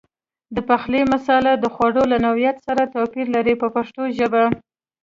د پخلي مساله د خوړو له نوعیت سره توپیر لري په پښتو ژبه.